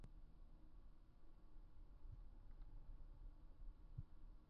研究人员经多年争论这个名字的词源学意义。